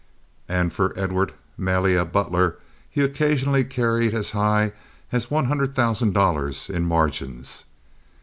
And for Edward Malia Butler he occasionally carried as high as one hundred thousand dollars in margins.